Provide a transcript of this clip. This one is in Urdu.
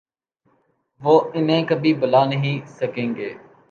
وہ انہیں کبھی بھلا نہیں سکیں گے۔